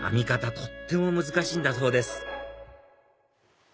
とっても難しいんだそうです